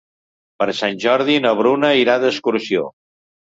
Per Sant Jordi na Bruna irà d'excursió.